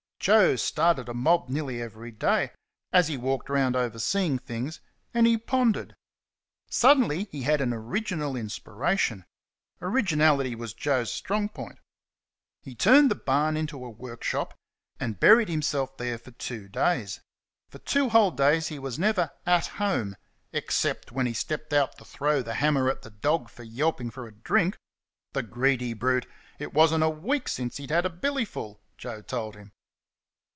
Joe started a mob nearly every day, as he walked round overseeing things; and he pondered. Suddenly he had an original inspiration originality was Joe's strong point. He turned the barn into a workshop, and buried himself there for two days. For two whole days he was never "at home,", except when he stepped out to throw the hammer at the dog for yelping for a drink. The greedy brute! it was n't a week since he'd had a billyful Joe told him.